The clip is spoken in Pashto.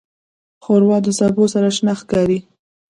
ښوروا د سبو سره شنه ښکاري.